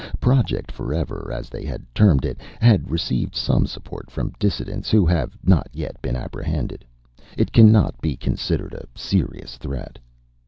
Project Forever, as they termed it, has received some support from dissidents, who have not yet been apprehended. It cannot be considered a serious threat.